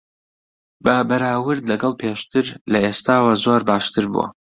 بە بەراورد لەگەڵ پێشتر، لە ئێستاوە زۆر باشتر بووە.